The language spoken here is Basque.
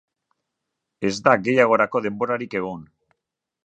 Ez da gehiagorako denborarik egon.